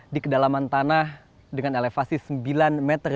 di kedalaman tanah dengan elevasi sembilan meter